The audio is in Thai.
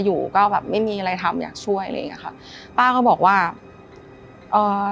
อยู่ก็แบบไม่มีอะไรทำอยากช่วยอะไรอย่างเงี้ยค่ะป้าก็บอกว่าเอ่อ